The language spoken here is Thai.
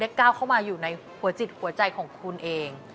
ก้าวเข้ามาอยู่ในหัวจิตหัวใจของคุณเอง